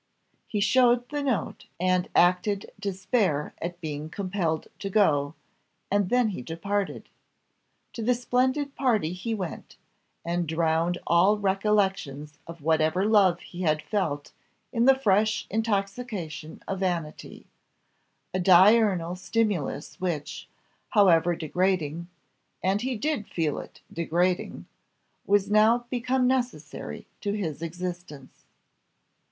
He showed the note, and acted despair at being compelled to go, and then he departed. To the splendid party he went, and drowned all recollections of whatever love he had felt in the fresh intoxication of vanity a diurnal stimulus which, however degrading, and he did feel it degrading, was now become necessary to his existence.